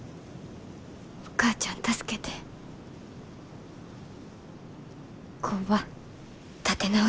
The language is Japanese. お母ちゃん助けて工場立て直したい。